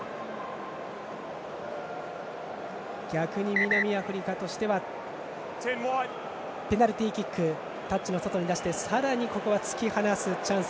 南アフリカはペナルティーキックをタッチの外に出してさらにここは突き放すチャンス。